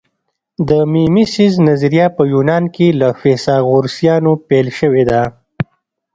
د میمیسیس نظریه په یونان کې له فیثاغورثیانو پیل شوې ده